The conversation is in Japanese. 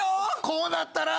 こうなったら。